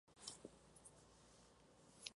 Countdown", "Music Bank", "Show!